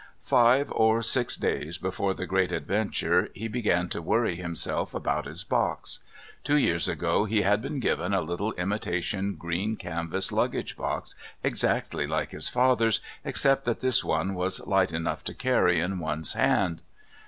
Five or six days before the great departure he began to worry himself about his box. Two years ago he had been given a little imitation green canvas luggage box exactly like his father's, except that this one was light enough to carry in one's hand.